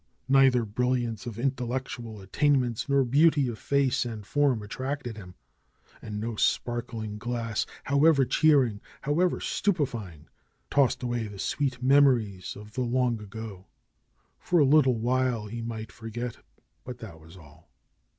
Neither brilliance of intellectual attainments nor beauty of face and form attracted him. And no spark ling glass, however cheering, however stupefying, tossed away the sweet memories of the Long Ago. For a little while he might forget; but that was all.